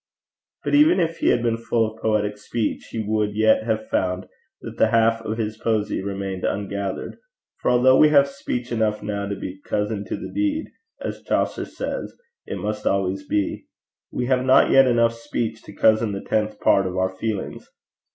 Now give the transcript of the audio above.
But even if he had been full of poetic speech, he would yet have found that the half of his posy remained ungathered, for although we have speech enough now to be 'cousin to the deed,' as Chaucer says it must always be, we have not yet enough speech to cousin the tenth part of our feelings.